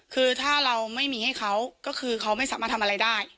คือถ้าเราไม่มีให้เขาก็คือเขาไม่สามารถทำอะไรได้